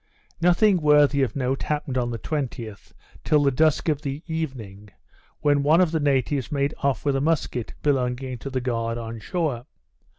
Nothing worthy of note happened on the 20th, till the dusk of the evening, when one of the natives made off with a musquet belonging to the guard on shore.